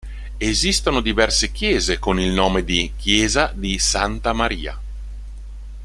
Esistono diverse chiese con il nome di "Chiesa di Santa Maria"